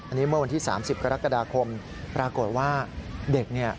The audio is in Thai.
อันนี้เมื่อวันที่๓๐กรกฎาคมปรากฏว่าเด็กเนี่ย